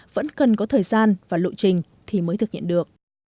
vẫn cần có thời gian và lộ trình thì mới thực hiện được